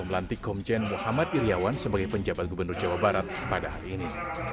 melantik komjen muhammad iryawan sebagai penjabat gubernur jawa barat pada hari ini